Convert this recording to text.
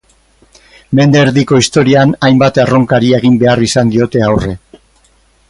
Mende erdiko historian hainbat erronkari egin behar izan diote aurre.